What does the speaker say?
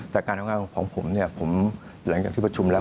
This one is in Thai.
แต่การทำงานของผมเนี่ยผมหลังจากที่ประชุมแล้ว